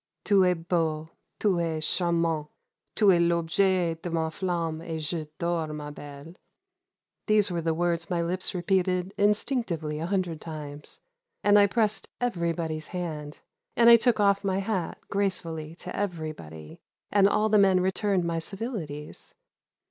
Tu es beau, tu es charmant! Tu es l'objet de ma flamme je t'adore, ma belle! these were the words my lips repeated instinctively a hundred times; and I pressed everybody's hand, and I took off my hat gracefully to everybody, and all the men returned my civilities.